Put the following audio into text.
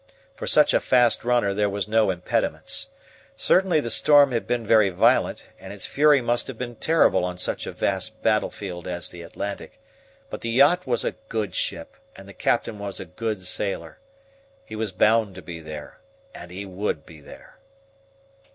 For such a fast runner there were no impediments. Certainly the storm had been very violent, and its fury must have been terrible on such a vast battlefield as the Atlantic, but the yacht was a good ship, and the captain was a good sailor. He was bound to be there, and he would be there.